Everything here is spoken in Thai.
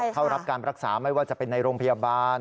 เข้ารับการรักษาไม่ว่าจะเป็นในโรงพยาบาล